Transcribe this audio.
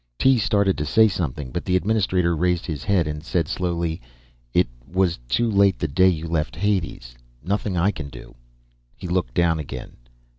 Tee started to say something, but the administrator raised his head and said slowly, "It was too late the day you left Hades. Nothing I can do." He looked down again.